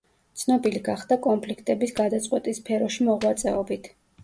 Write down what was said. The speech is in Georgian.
ცნობილი გახდა კონფლიქტების გადაწყვეტის სფეროში მოღვაწეობით.